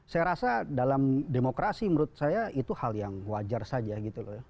saya rasa dalam demokrasi menurut saya itu hal yang wajar saja gitu loh